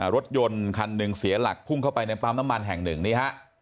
รถยนต์คันหนึ่งเสียหลักพุ่งเข้าไปในปั๊มน้ำมันแห่งหนึ่งนี่ฮะ